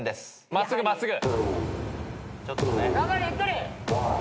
真っすぐ真っすぐ。